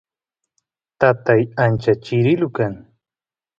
tatay ancha chirilu kan